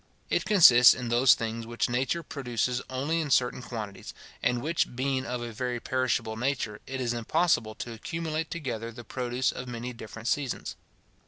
It consists in those things which nature produces only in certain quantities, and which being of a very perishable nature, it is impossible to accumulate together the produce of many different seasons.